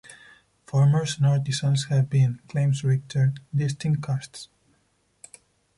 Farmers and artisans have been, claims Richter, distinct castes.